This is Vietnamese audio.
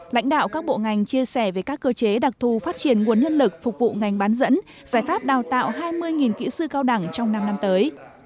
lãnh đạo các bộ ngành chia sẻ về các cơ chế đặc thù phát triển nguồn nhân lực phục vụ ngành bán dẫn giải pháp đào tạo hai mươi kỹ sư cao đẳng trong năm năm tới